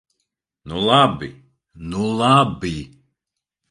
Nu labi, nu labi!